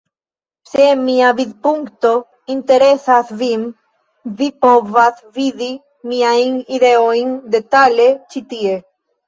Se mia vidpunkto interesas vin vi povas vidi miajn ideojn detale ĉi tie.